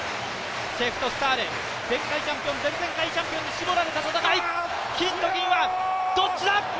チェフとスタール、前回チャンピオン、前々回チャンピオンに絞られた戦い、金と銀、どっちだ？